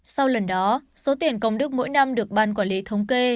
sau lần đó số tiền công đức mỗi năm được ban quản lý thống kê